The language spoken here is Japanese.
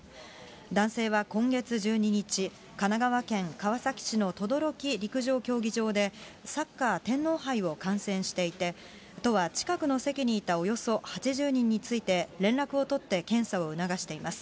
男性は今月１２日、神奈川県川崎市の等々力陸上競技場でサッカー天皇杯を観戦していて、都は近くの席にいたおよそ８０人について、連絡を取って検査を促しています。